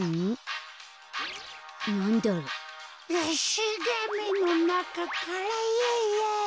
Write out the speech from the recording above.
しげみのなかからイエイイエイ。